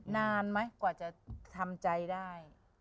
นานไหมกว่าจะทำใจได้